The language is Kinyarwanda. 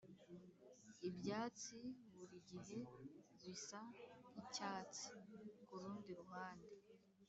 ibyatsi burigihe bisa nkicyatsi kurundi ruhande.